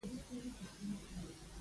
ساینسي تمایلات خپلول.